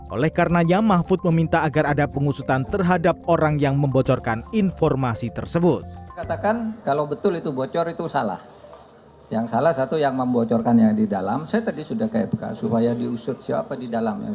oleh karenanya mahfud meminta agar ada pengusutan terhadap orang yang memiliki kekuasaan